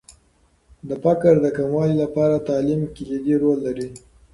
د فقر د کموالي لپاره تعلیم کلیدي رول لري.